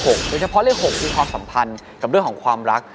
โดยเฉพาะเลข๖คือความสัมพันธ์กับเรื่องของความรัก